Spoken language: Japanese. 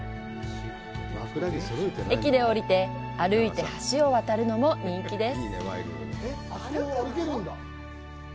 駅で降りて歩いて橋を渡るのも人気です。